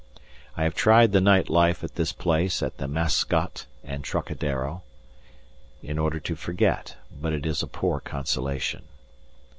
I have tried the night life at this place at the Mascotte and Trocadero, in order to forget, but it is a poor consolation.